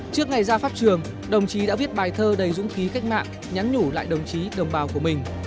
trước ngày ra pháp trường đồng chí đã viết bài thơ đầy dũng khí cách mạng nhắn nhủ lại đồng chí đồng bào của mình